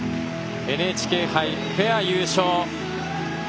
ＮＨＫ杯、ペア優勝！